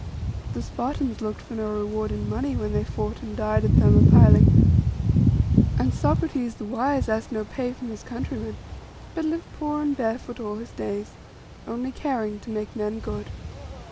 The Spartans looked for no reward in money when they fought and died at Thermopylæ; and Socrates the wise asked no pay from his countrymen, but lived poor and barefoot all his days, only caring to make men good.